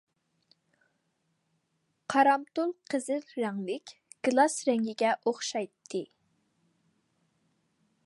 قارامتۇل قىزىل رەڭلىك، گىلاس رەڭگىگە ئوخشايتتى.